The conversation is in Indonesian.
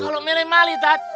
kalau milih malih ustadz